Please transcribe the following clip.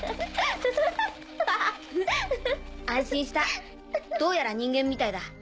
安心したどうやら人間みたいだ。